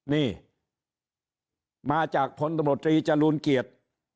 นี่มาจากพลตมตรีจรูลเกียจ